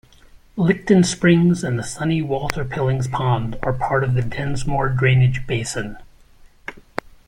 Licton Springs and the Sunny Walter-Pillings Pond are part of the Densmore Drainage Basin.